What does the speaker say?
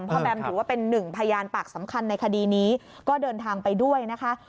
แบมถือว่าเป็นหนึ่งพยานปากสำคัญในคดีนี้ก็เดินทางไปด้วยนะคะ